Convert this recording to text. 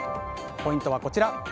ポイントはこちら。